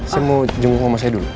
saya mau jemput mama saya dulu